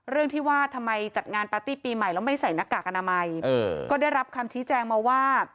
เรื่องที่ว่าทำไมจัดงานปาร์ตี้ปีใหม่แล้วไม่ใส่หน้ากากอนามัยก็ได้รับคำชี้แจงมาว่า